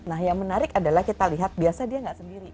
nah yang menarik adalah kita lihat biasa dia nggak sendiri